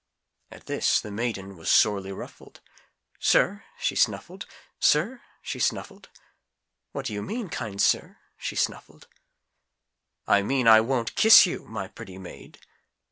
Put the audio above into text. At this the maiden was sorely ruffled, "Sir?" she snuffled, "Sir?" she snuffled, "What do you mean, kind sir," she snuffled. "I mean I won't kiss you, my pretty maid!"